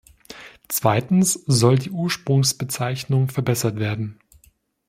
Zweitens soll die Ursprungsbezeichnung verbessert werden.